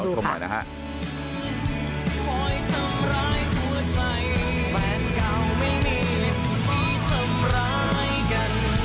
ลองดูค่ะ